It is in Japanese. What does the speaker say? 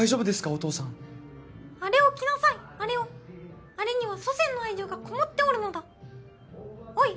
お父さんあれを着なさいあれをあれには祖先の愛情がこもっておるのだおい